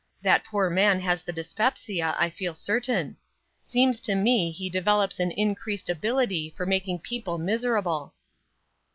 That poor man has the dyspepsia, I feel certain. Seems to me he develops an increased ability for making people miserable."